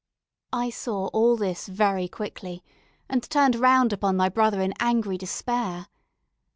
I saw all this very quickly, and turned round upon my brother in angry despair.